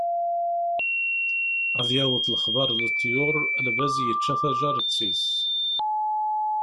Ad yaweḍ lexbar leḍyur lbaz yečča taǧaret-is.